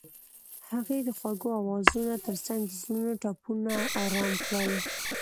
هغې د خوږ اوازونو ترڅنګ د زړونو ټپونه آرام کړل.